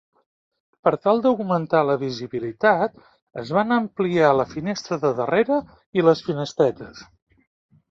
Per tal d'augmentar la visibilitat es van ampliar la finestra de darrere i les finestretes.